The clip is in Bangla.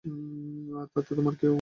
আর তাতে তোমার কোনো ঠাই নেই।